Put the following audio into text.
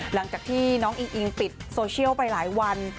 หลังจากที่น้องอิงอิงปิดโซเชียลไปหลายวัน